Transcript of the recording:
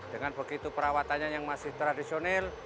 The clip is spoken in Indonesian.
dengan begitu perawatannya yang masih tradisional